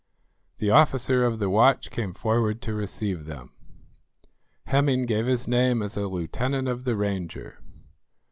The officer of the watch came forward to receive them. Hemming gave his name as a lieutenant of the Ranger.